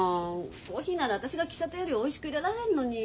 コーヒーなら私が喫茶店よりおいしくいれられんのに。